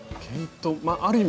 ある意味